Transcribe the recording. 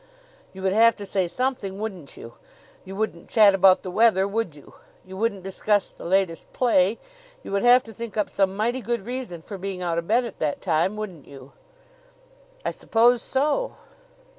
"You would have to say something, wouldn't you? You wouldn't chat about the weather, would you? You wouldn't discuss the latest play? You would have to think up some mighty good reason for being out of bed at that time, wouldn't you?" "I suppose so."